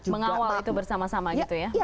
mengawal itu bersama sama gitu ya